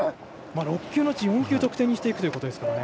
６球のうち４球得点にしていくということですからね。